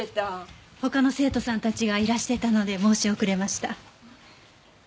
他の生徒さんたちがいらしてたので申し遅れました。